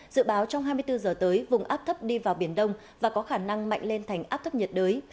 dự báo trong hai mươi bốn giờ tới vùng áp thấp đi vào biển đông và có khả năng mạnh lên thành áp thấp nhiệt đới